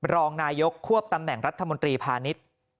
รองนายกควบตำแหน่งรัฐมนตรีพาณิชย์